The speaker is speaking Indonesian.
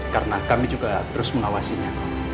karena kami juga terus mengawasinya